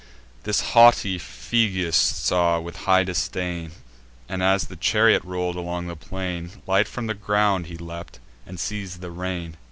This haughty Phegeus saw with high disdain, And, as the chariot roll'd along the plain, Light from the ground he leapt, and seiz'd the rein.